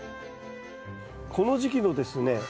この時期のですね